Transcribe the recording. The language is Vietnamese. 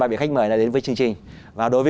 hai vị khách mời đã đến với chương trình và đối với